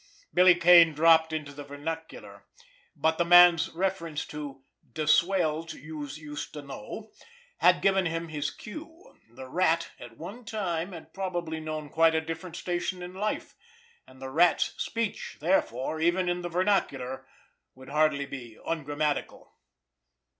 Billy Kane dropped into the vernacular. But the man's reference to "de swells youse used to know" had given him his cue. The Rat at one time had probably known quite a different station in life, and the Rat's speech therefore, even in the vernacular, would hardly be ungrammatical.